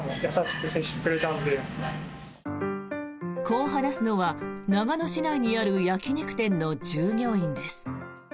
こう話すのは、長野市内にある焼き肉店の従業員です。